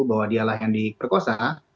bahwa dialah yang diperkosa